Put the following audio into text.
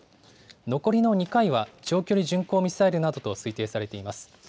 残りの２回は長距離巡航ミサイルなどと推定されています。